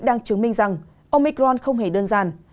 đang chứng minh rằng omicron không hề đơn giản